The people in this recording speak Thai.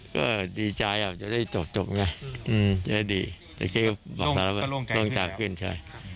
ก็ดีใจอ่ะจะได้จบจบไงอืมจะได้ดีแต่ก็ก็โล่งใจขึ้นแล้วโล่งใจขึ้นใช่